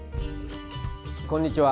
こんにちは。